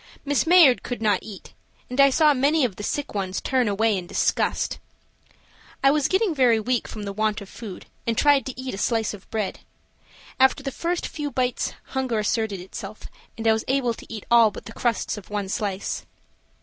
Miss Mayard could not eat, and I saw many of the sick ones turn away in disgust. I was getting very weak from the want of food and tried to eat a slice of bread. After the first few bites hunger asserted itself, and I was able to eat all but the crusts of the one slice.